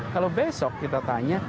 kalau besok kita tanya